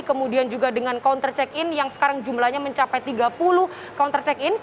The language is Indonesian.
kemudian juga dengan counter check in yang sekarang jumlahnya mencapai tiga puluh counter check in